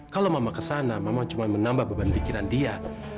kalau mama kesana mama cuma menambah beban pikiran dia